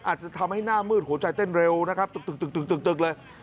อาจจะทำให้หน้ามืดหัวใจเต้นเร็วนะครับตึกเลย